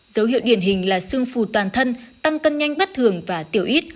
dấu hiệu điển hình là xương phù toàn thân tăng cân nhanh bất thường và tiểu ít